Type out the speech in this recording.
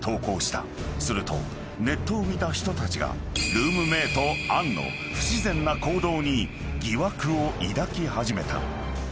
［するとネットを見た人たちがルームメート杏の不自然な行動に疑惑を抱き始めた］